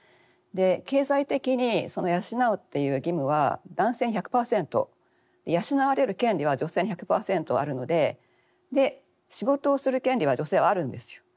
経済的にその養うっていう義務は男性１００％で養われる権利は女性に１００％あるので仕事をする権利は女性はあるんですよ。